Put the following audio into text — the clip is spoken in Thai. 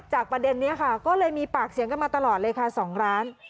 ประเด็นนี้ค่ะก็เลยมีปากเสียงกันมาตลอดเลยค่ะ๒ร้าน